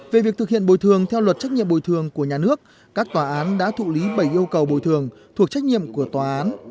về việc thực hiện bồi thường theo luật trách nhiệm bồi thường của nhà nước các tòa án đã thụ lý bảy yêu cầu bồi thường thuộc trách nhiệm của tòa án